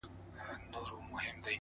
شراب مسجد کي” ميکده کي عبادت کومه”